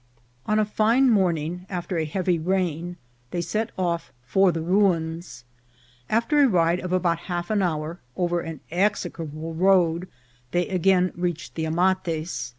On a fine morning, after a heavy rain, they set off for the ruins. After a ride of about half an hour, over an execrable road, they again reached the Amates.